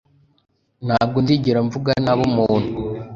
Ntabwo nzigera mvuga nabi umuntu.